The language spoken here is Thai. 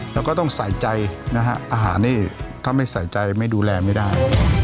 แล้วก็ต้องใส่ใจนะฮะอาหารนี่ถ้าไม่ใส่ใจไม่ดูแลไม่ได้